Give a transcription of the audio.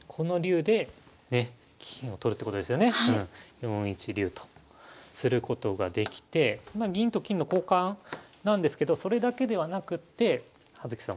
４一竜とすることができてまあ銀と金の交換なんですけどそれだけではなくって葉月さん